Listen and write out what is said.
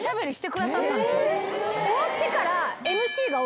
終わってから。